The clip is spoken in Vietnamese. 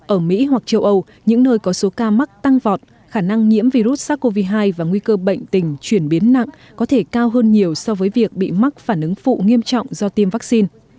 ở mỹ hoặc châu âu những nơi có số ca mắc tăng vọt khả năng nhiễm virus sars cov hai và nguy cơ bệnh tình chuyển biến nặng có thể cao hơn nhiều so với việc bị mắc phản ứng phụ nghiêm trọng do tiêm vaccine